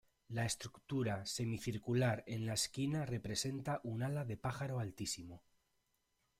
La estructura semicircular en la esquina representa un ala de pájaro altísimo.